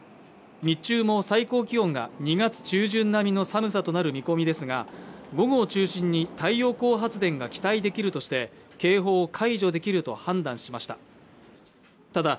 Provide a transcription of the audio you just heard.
日中も最高気温が２月中旬並みの寒さとなる見込みですが午後を中心に太陽光発電が期待できるとして警報を解除できると判断しました